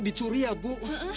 dicuri ya bu